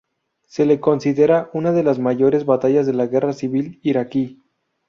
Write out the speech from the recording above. Se le considera una de las mayores batallas de la guerra civil iraquí.